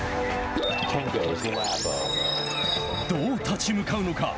どう立ち向かうのか。